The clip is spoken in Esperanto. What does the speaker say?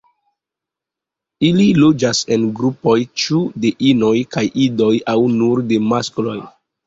Ili loĝas en grupoj ĉu de inoj kaj idoj aŭ nur de maskloj.